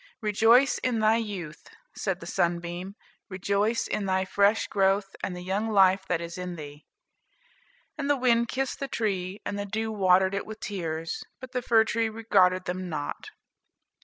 "Rejoice in thy youth," said the sunbeam; "rejoice in thy fresh growth, and the young life that is in thee." And the wind kissed the tree, and the dew watered it with tears; but the fir tree regarded them not.